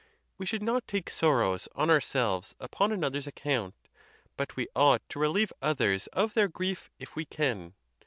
We should not take sorrows on ourselves upon another's account; but we ought to relieve others of their grief if we can.